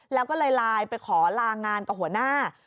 แล้วลายไปขอลางานกับหัวหน้า